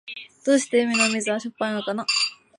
どうして海の水はしょっぱいのかな。